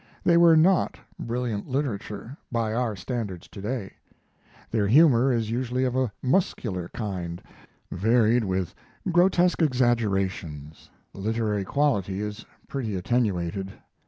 They were not brilliant literature, by our standards to day. Their humor is usually of a muscular kind, varied with grotesque exaggerations; the literary quality is pretty attenuated.